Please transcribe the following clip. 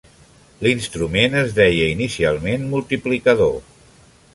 L’instrument es deia inicialment multiplicador.